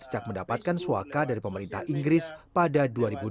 sejak mendapatkan suaka dari pemerintah inggris pada dua ribu dua belas